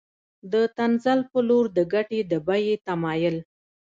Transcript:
د تنزل په لور د ګټې د بیې تمایل